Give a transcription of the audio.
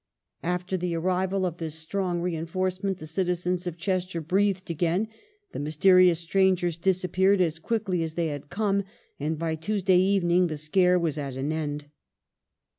After the arrival of this strong reinforcement the citizens of Chester breathed again : the mysterious strangers disappeared as quickly as they had come, and by Tuesday evening the scare was at an end.